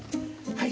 はい。